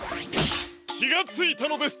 きがついたのです。